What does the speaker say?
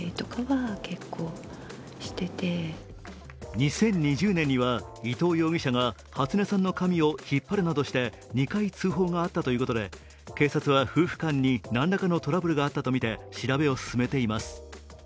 ２０２０年には伊藤容疑者が初音さんの髪を引っ張るなどして２回通報があったということで警察は夫婦間に何らかのトラブルがあったとみて調べを進めています。